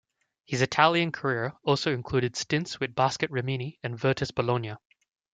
His Italian career also included stints with Basket Rimini and Virtus Bologna.